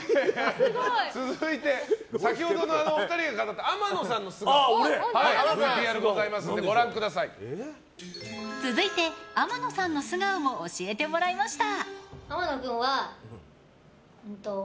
続いて先ほどのお二人が語った天野さんのＶＴＲございますので続いて天野さんの素顔も教えてもらいました。